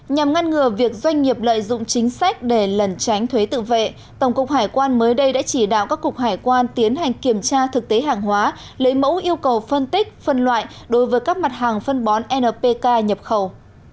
nhằm ngăn ngừa việc doanh nghiệp lợi dụng chính sách để lần tránh thuế tự vệ tổng cục hải quan mới đây đã chỉ đạo các cục hải quan tiến hành kiểm tra thực tế hàng hóa lấy mẫu yêu cầu phân tích phân loại đối với các mặt hàng phân bón npk nhập khẩu